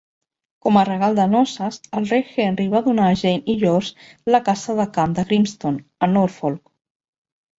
Com a regal de noces, el rei Henry va donar a Jane i George la casa de camp de Grimston, a Norfolk.